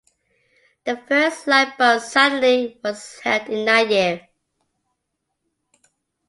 The first Lifeboat Saturday was held in that year.